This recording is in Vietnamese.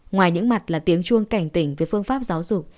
ngoài những mặt là tiếng chuông cảnh tỉnh về phương pháp giáo dục